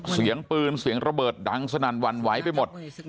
เสียงปืนเสียงระเบิดดังสนั่นหวั่นไหวไปหมด